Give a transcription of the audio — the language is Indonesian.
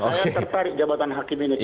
saya tertarik jabatan hakim ini